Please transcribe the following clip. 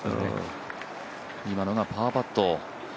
今のがパーパット。